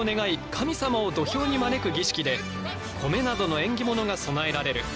神様を土俵に招く儀式で米などの縁起物が供えられる。